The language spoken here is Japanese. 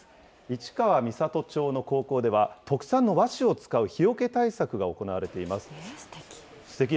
市川三郷町の高校では、特産の和紙を使う日よけ対策が行われていすてき。